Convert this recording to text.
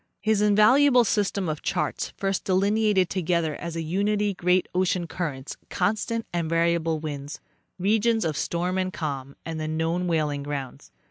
His invaluable system of charts first delineated together as a unity great ocean currents, constant and variable winds, regions of storm and calm and the known whaling grounds.